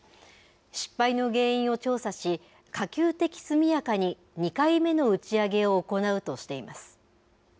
失敗の原因を調査し、可及的速やかに２回目の打ち上げを行うとしています。